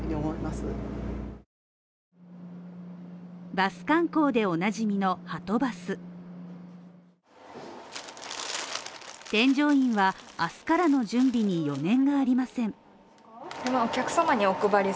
バス観光でおなじみのはとバス添乗員は明日からの準備に余念がありません。